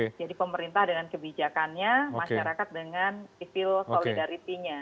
jadi pemerintah dengan kebijakannya masyarakat dengan civil solidarity nya